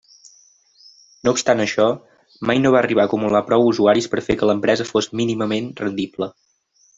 No obstant això, mai no va arribar a acumular prou usuaris per fer que l'empresa fos mínimament rendible.